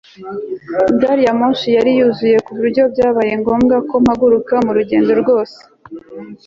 gari ya moshi yari yuzuye ku buryo byabaye ngombwa ko mpaguruka mu rugendo rwose